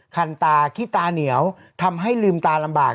คันตาขี้ตาเหนียวทำให้ลืมตาลำบาก